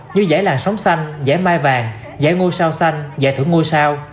như giải làn sóng xanh giải mai vàng giải ngôi sao xanh giải thưởng ngôi sao